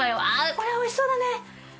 これおいしそうだね！